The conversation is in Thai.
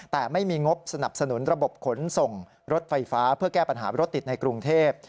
แต่ไม่มีงบสนับสนุนระบบขนส่งรถไฟฟ้าเพื่อแก้ปัญหารถติดในกรุงเทพ